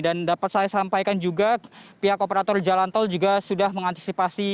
dan dapat saya sampaikan juga pihak operator jalan tol juga sudah mengantisipasi